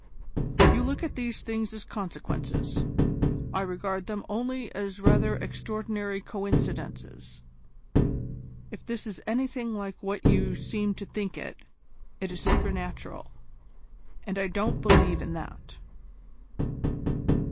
"You look at these things as consequences, I regard them only as rather extraordinary coincidences. If this is anything like what you seem to think it, it is supernatural, and I don't believe in that."